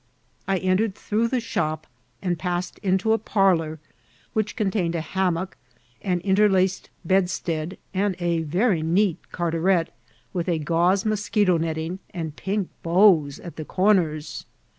I entered through the shop, and pass ed into a parlour which contained a hammock, an in terlaced bedstead, and a very neat cartaret with a gausie moscheto*netting, and pink bows at the comers.